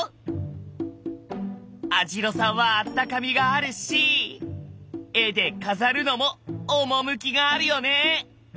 網代さんはあったかみがあるし絵で飾るのも趣があるよね。